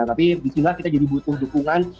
tapi disitulah kita jadi butuh dukungan